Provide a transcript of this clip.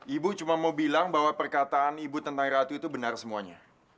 ibu cuma mau bilang bahwa perkataan ibu tentang ratu itu benar semuanya